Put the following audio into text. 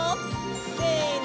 せの！